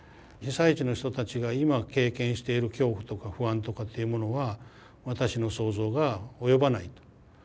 被災地の人たちが今経験している恐怖とか不安とかっていうものは私の想像が及ばないと。